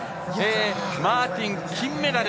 マーティン、金メダル。